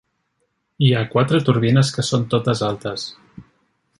Hi ha quatre turbines que són totes altes.